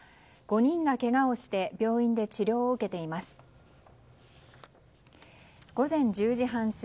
５人がけがをして病院で治療を受けています。